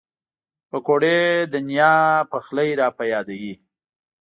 پکورې د نیا پخلی را په یادوي